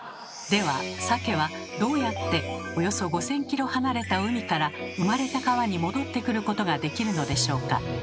ではサケはどうやっておよそ５，０００ｋｍ離れた海から生まれた川に戻ってくることができるのでしょうか？